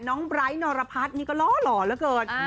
น้องไบร์ทนอรพัสนี่ก็ล้อหล่อแล้วเกิน